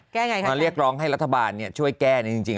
ขอเรียกร้องให้รัฐบาลเนี่ยช่วยแก้จริง